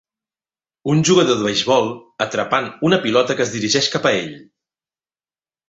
Un jugador de beisbol atrapant una pilota que es dirigeix cap a ell